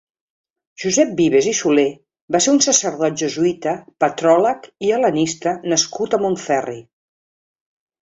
Josep Vives i Solé va ser un sacerdot jesuïta, patròleg i hel·lenista nascut a Montferri.